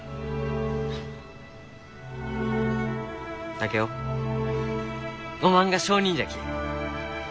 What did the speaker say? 竹雄おまんが証人じゃき。